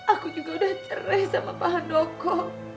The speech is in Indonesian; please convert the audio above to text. aku juga udah cerai sama paha doko